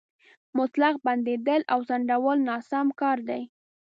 مطلق بندېدل او ځنډول ناسم کار دی.